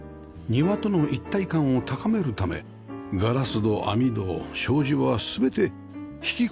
庭との一体感を高めるためガラス戸網戸障子は全て引き込み式です